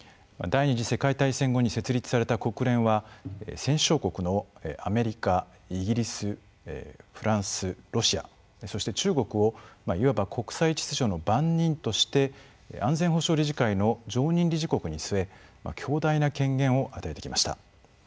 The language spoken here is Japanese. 第２次世界大戦後に設立された国連は戦勝国のアメリカ、イギリスフランス、ロシアそして中国をいわば国際秩序の番人として安全保障理事会の常任理事国に据え強大な権限を与えてきました。